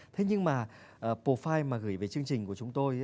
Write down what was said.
thế nhưng mà profile mà gửi về chương trình của chúng tôi